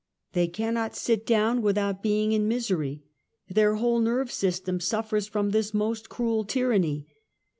They cannot sit down without being in misery. Their whole nerve / s^'Stem suffers from this most cruel tyranny.